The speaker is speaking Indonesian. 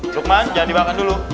lukman jangan dimakan dulu